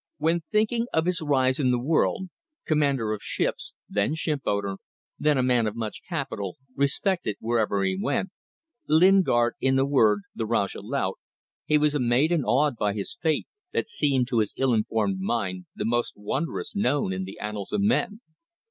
When thinking of his rise in the world commander of ships, then shipowner, then a man of much capital, respected wherever he went, Lingard in a word, the Rajah Laut he was amazed and awed by his fate, that seemed to his ill informed mind the most wondrous known in the annals of men.